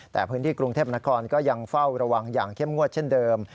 แต่พื้นที่กรุงเทพนครก็ยังเฝ้าระวังอย่างเข้มงวดเช่นเดิม